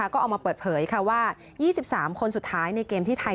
ก็เอามาเปิดเผยว่า๒๓คนสุดท้ายในเกมที่ไทย